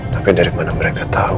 tapi dari mana mereka tahu